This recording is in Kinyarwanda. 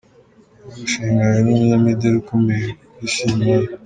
Yarushinganye n’umunyamideli ukomeye ku Isi Iman.